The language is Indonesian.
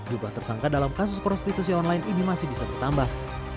jumlah tersangka dalam kasus prostitusi online ini masih bisa bertambah